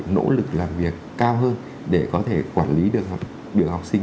nỗ lực làm việc cao hơn để có thể quản lý được biểu học sinh